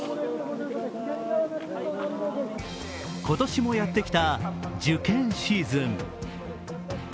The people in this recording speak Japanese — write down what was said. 今年もやってきた受験シーズン。